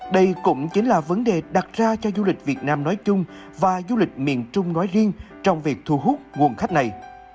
đây cũng chính là vấn đề đặt ra cho du lịch việt nam nói chung và du lịch miền trung nói riêng trong việc thu hút nguồn khách này